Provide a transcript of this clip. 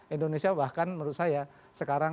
indonesia bahkan menurut saya sekarang